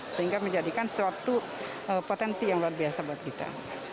sehingga menjadikan suatu potensi yang luar biasa buat kita